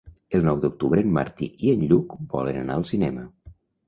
El nou d'octubre en Martí i en Lluc volen anar al cinema.